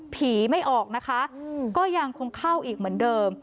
ไม่ออกนะคะก็ยังคงเข้าอีกเหมือนเดิม